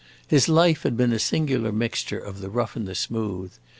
His life had been a singular mixture of the rough and the smooth.